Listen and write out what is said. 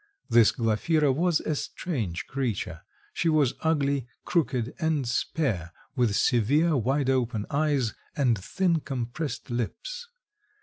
This Glafira was a strange creature; she was ugly, crooked, and spare, with severe, wide open eyes, and thin compressed lips.